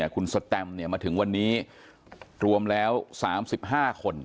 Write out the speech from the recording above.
คุณสแตมมาถึงวันนี้รวมแล้ว๓๕คน